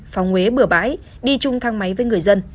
phóng uế bửa bãi đi chung thang máy với người dân